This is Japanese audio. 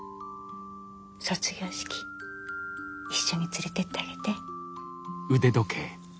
卒業式一緒に連れてってあげて。